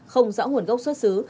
không rõ nguồn gốc xuất xứ